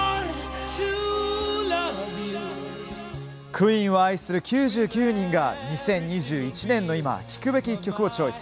クイーンを愛する９９人が２０２１年の今聴くべき１曲をチョイス。